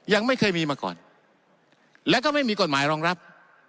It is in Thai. ยังไม่เคยมีมาก่อนและก็ไม่มีกฎหมายรองรับ